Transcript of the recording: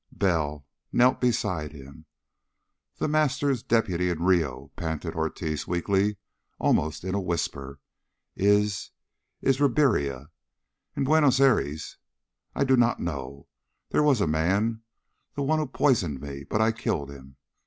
Bell knelt beside him. "The Master's deputy in Rio," panted Ortiz weakly, almost in a whisper, "is is Ribiera. In Buenos Aires I I do not know. There was a man the one who poisoned me but I killed him.